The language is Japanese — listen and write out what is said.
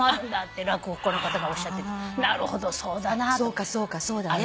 そうかそうかそうだね。